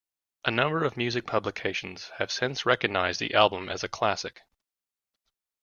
A number of music publications have since recognized the album as a classic.